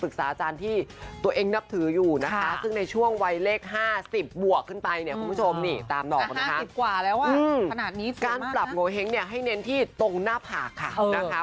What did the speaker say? การปรับโงเห้งเนี่ยให้เน้นที่ตรงหน้าผากค่ะนะคะ